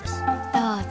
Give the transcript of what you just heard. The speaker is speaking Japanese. どうぞ。